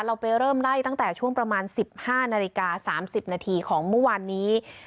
เราไปเริ่มไล่ตั้งแต่ช่วงประมาณ๑๕นาฬิกา๓๐นาทีของเมื่อวานนี้